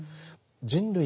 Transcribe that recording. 人類